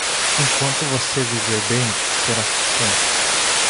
Enquanto você viver bem, será suficiente.